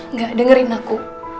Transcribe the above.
nggak dengerin aku